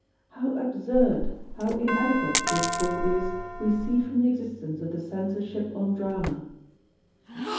How absurd, how inadequate this all is we see from the existence of the Censorship on Drama.